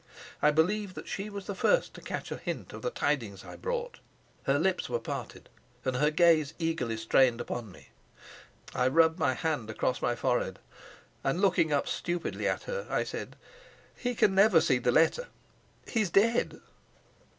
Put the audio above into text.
I believe that she was the first to catch a hint of the tidings I brought. Her lips were parted, and her gaze eagerly strained upon me. I rubbed my hand across my forehead, and, looking up stupidly at her, I said: "He never can see the letter. He's dead."